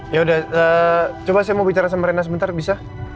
yaudah coba saya mau bicara sama rena sebentar bisa